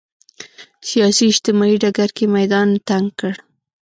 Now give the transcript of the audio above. سیاسي اجتماعي ډګر کې میدان تنګ کړ